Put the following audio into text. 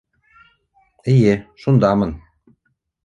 - Эйе, шундамын.